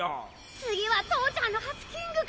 次は父ちゃんのカツキングか。